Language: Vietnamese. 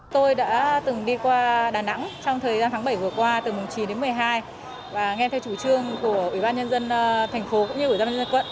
tôi đã từng đi qua đà nẵng trong thời gian tháng bảy vừa qua từ mùng chín đến một mươi hai và nghe theo chủ trương của ủy ban nhân dân thành phố cũng như ủy ban nhân dân quận